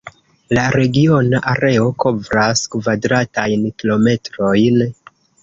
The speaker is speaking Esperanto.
La regiona areo kovras kvadratajn kilometrojn.